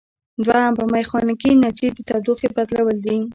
دوهم په میخانیکي انرژي د تودوخې بدلول دي.